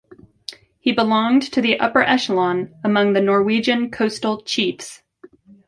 He belonged to the upper echelon among the Norwegian coastal chiefs.